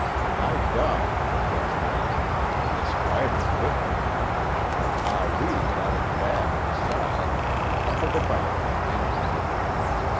I dodged just then, for the spider bit me, but Ah Wee got it bad in the side an' tumbled about like anything.